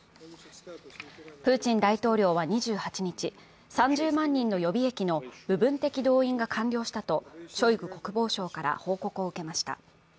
プーチン大統領は２８日、３０万人の予備役の部分的動員が完了したとショイグ国防相から報告を受けました。